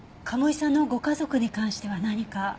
賀茂井さんのご家族に関しては何か？